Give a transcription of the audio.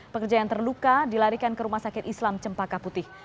pekerja yang terluka dilarikan ke rumah sakit islam cempaka putih